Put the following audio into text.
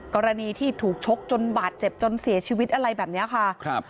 กรณีที่ถูกชกจนบาดเจ็บจนเสียชีวิตอะไรแบบนี้ค่ะครับ